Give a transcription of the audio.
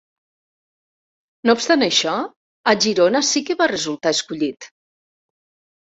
No obstant això, a Girona sí que va resultar escollit.